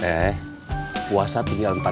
sekarang ada tante yang tinggal ada p control d